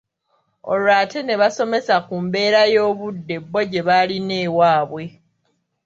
Olwo ate ne basomesa ku mbeera y’Obudde bo gye balina ewaabwe